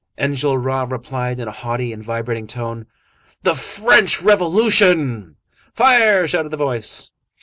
Enjolras replied in a haughty and vibrating tone:— "The French Revolution!" "Fire!" shouted the voice.